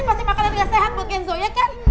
ini pasti makanan gak sehat buat kenzo ya kan